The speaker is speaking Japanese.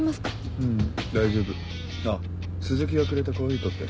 ううん大丈夫あっ鈴木がくれたコーヒー取って。